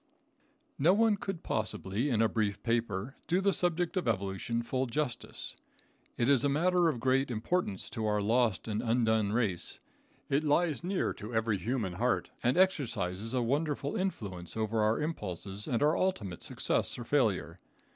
No one could possibly, in a brief paper, do the subject of evolution full justice. It is a matter of great importance to our lost and undone race. It lies near to every human heart, and exercises a wonderful influence over our impulses and our ultimate success or failure.